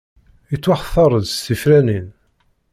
Yettwaxtar-d s tefranin.